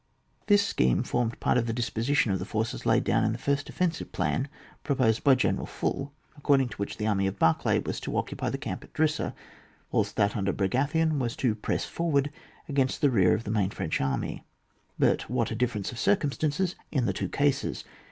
This same scheme formed part of the disposition of the forces laid down in the first defensive plan proposed by General Phul, according to which the army of Barclay was to occupy the camp at Drissa, whilst that under Bragathion was to press forward against the rear of the main French army. But what a dif ference of circumstances in the two cases